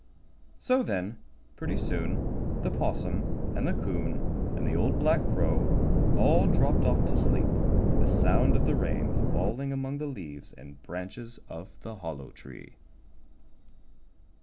So then, pretty soon, the 'Possum and the 'Coon and the Old Black Crow all dropped off to sleep to the sound of the rain falling among the leaves and branches of the Hollow Tree.